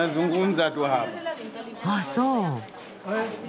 あっそう。